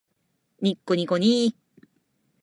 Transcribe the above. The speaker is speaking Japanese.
にっこにっこにー